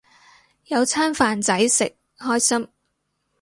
有餐飯仔食，開心